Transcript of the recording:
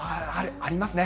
ありますね。